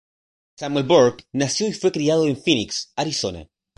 Samuel Burke nació y fue criado en Phoenix, Arizona.